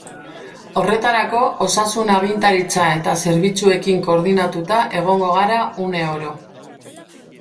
Horretarako, osasun agintaritza eta zerbitzuekin koordinatuta egongo gara une oro.